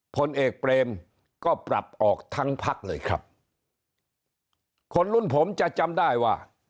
ผลเอกเปรมก็ปรับออกทั้งพักเลยครับคนรุ่นผมจะจำได้ว่า